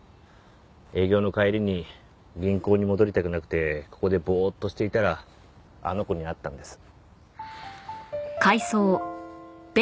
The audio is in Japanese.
営業の帰りに銀行に戻りたくなくてここでボーッとしていたらあの子に会ったんです。